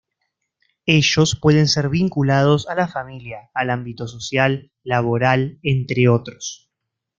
Ellos pueden ser vinculados a la familia, al ámbito social, laboral, entre otros.